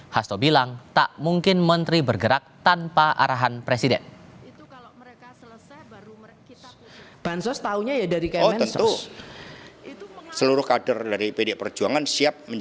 hasto bilang tak mungkin menteri bergerak tanpa arahan presiden